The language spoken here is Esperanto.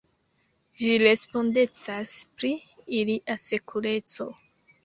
Ĝi respondecas pri ilia sekureco.